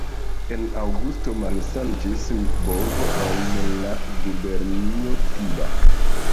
En aŭgusto malsaniĝis bovo en la gubernio Tiba.